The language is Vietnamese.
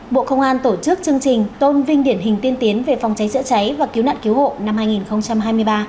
bộ công an tổ chức chương trình tôn vinh điển hình tiên tiến về phòng cháy chữa cháy và cứu nạn cứu hộ năm hai nghìn hai mươi ba